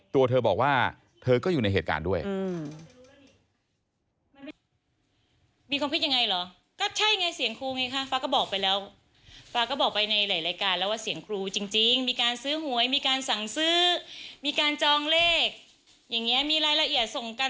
ตัวเธอบอกว่าเธอก็อยู่ในเหตุการณ์ด้วย